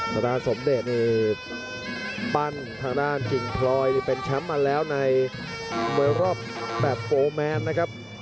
ดาสมเดชนี่ปั้นทางด้านกิ่งพลอยเป็นแชมป์มาแล้วในมวยรอบแบบโฟร์แมนนะครับ